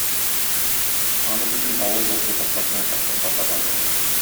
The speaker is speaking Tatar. Аны бөтен авыл басу капкасына чаклы озата барды.